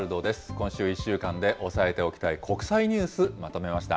今週１週間で押さえておきたい国際ニュース、まとめました。